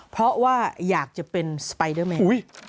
เพราะว่าอยากจะเป็นสไปเดอร์แมน